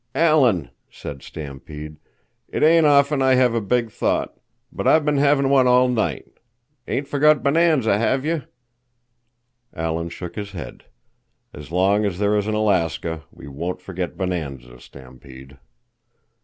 "Alan," said Stampede, "it ain't often I have a big thought, but I've been having one all night. Ain't forgot Bonanza, have you?" Alan shook his head. "As long as there is an Alaska, we won't forget Bonanza, Stampede."